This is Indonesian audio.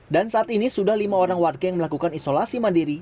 dan saat ini sudah lima orang warga yang melakukan isolasi mandiri